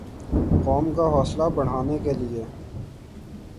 قوم کا حوصلہ بڑھانے کیلئے